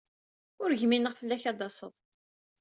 Ur gmineɣ fell-ak ad d-taseḍ.